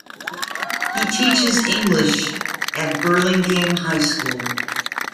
He teaches English at Burlingame High School.